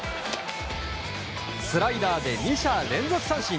スライダーで２者連続三振！